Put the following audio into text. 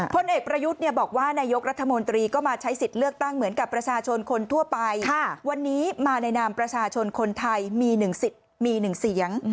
กระบวนการนี้ใช้เวลาประมาณ๕นาทีมาพบปักษื้อน่ะ